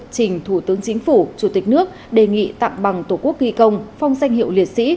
trình thủ tướng chính phủ chủ tịch nước đề nghị tặng bằng tổ quốc ghi công phong danh hiệu liệt sĩ